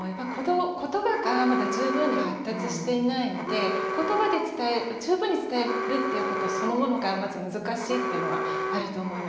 言葉がまだ十分に発達していないので言葉で十分に伝えるっていうことそのものがまず難しいっていうのはあると思います。